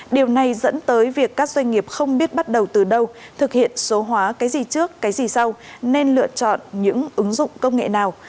điều này dẫn tới việc các doanh nghiệp không biết bắt đầu từ đâu thực hiện số hóa cái gì trước cái gì sau nên lựa chọn những ứng dụng công nghệ nào